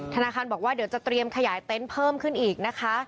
ธนาคารบอกว่าเดี๋ยวจะเตรียมขยายเต็นต์เพิ่มขึ้นอีกนะคะ